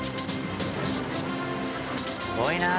すごいなあ。